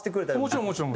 もちろんもちろん。